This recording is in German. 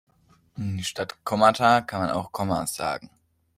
Statt Kommata kann man auch Kommas sagen.